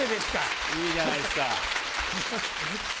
いいじゃないですか。